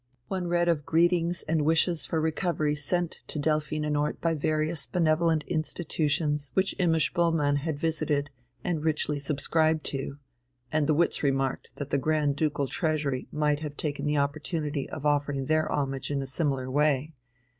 One read of greetings and wishes for recovery sent to Delphinenort by various benevolent institutions which Imma Spoelmann had visited and richly subscribed to (and the wits remarked that the Grand Ducal Treasury might have taken the opportunity of offering their homage in a similar way).